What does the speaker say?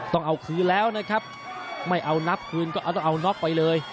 ต้องเอาคืนแล้วนะครับไม่เอานับคืนก็เอาต้องเอาน็อกไปเลย